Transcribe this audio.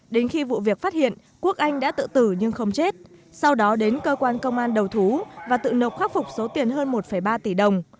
đến khi vụ việc phát hiện quốc anh đã tự tử nhưng không chết sau đó đến cơ quan công an đầu thú và tự nộp khắc phục số tiền hơn một ba tỷ đồng